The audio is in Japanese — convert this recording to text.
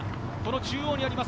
中央にあります